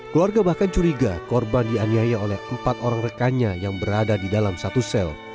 keluarga bahkan curiga korban dianiaya oleh empat orang rekannya yang berada di dalam satu sel